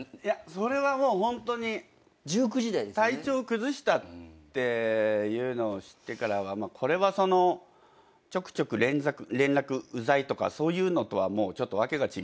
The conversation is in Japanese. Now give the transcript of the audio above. それはもうホントに体調を崩したっていうのを知ってからはこれはちょくちょく連絡ウザいとかそういうのとは訳が違う。